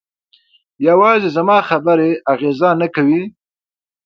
یوازې زما خبرې اغېزه نه کوي.